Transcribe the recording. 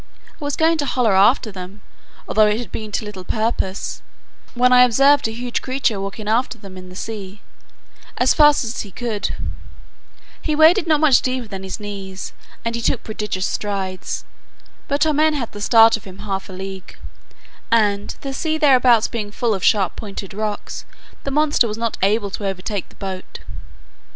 I was going to holla after them, although it had been to little purpose, when I observed a huge creature walking after them in the sea, as fast as he could: he waded not much deeper than his knees, and took prodigious strides: but our men had the start of him half a league, and, the sea thereabouts being full of sharp pointed rocks, the monster was not able to overtake the boat.